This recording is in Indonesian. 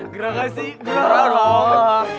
grakasih gerah dong